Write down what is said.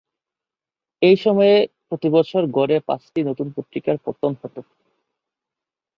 এই সময়ে প্রতি বছর গড়ে পাঁচটি নতুন পত্রিকার পত্তন হত।